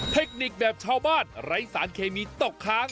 เทคนิคแบบชาวบ้านไร้สารเคมีตกค้าง